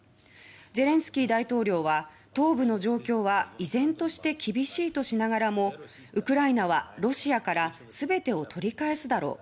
ゼレンスキー大統領は東部の状況は「依然として厳しい」としながらも「ウクライナはロシアからすべてを取り返すだろう」